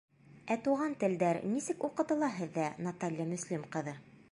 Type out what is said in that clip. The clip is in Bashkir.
— Ә туған телдәр нисек уҡытыла һеҙҙә, Наталья Мөслим ҡыҙы?